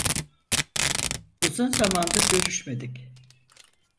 Uzun zamandır görüşmedik.